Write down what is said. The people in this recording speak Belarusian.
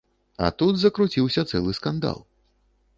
А тут закруціўся цэлы скандал.